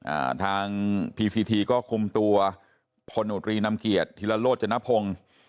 อ่าทางพีซีทีก็คุมตัวพลนุษย์รีนำเกียจธิลลโลดจนพง